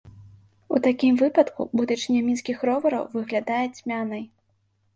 У такім выпадку будучыня мінскіх ровараў выглядае цьмянай.